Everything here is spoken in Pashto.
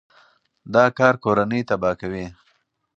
دا کار کورنۍ تباه کوي.